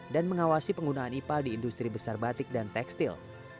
dan mengawasi penggunaan ipal di industri besar besar